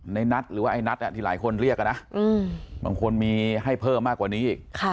ในนัทหรือว่าไอ้นัทที่หลายคนเรียกนะบางคนมีให้เพิ่มมากกว่านี้อีก